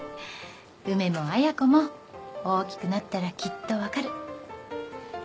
梅も綾子も大きくなったらきっとわかる。